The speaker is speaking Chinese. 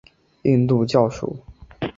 印度教属。